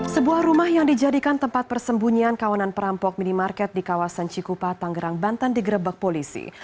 sebuah rumah yang dijadikan tempat persembunyian kawanan perampok minimarket di kawasan cikupa tanggerang banten digerebek polisi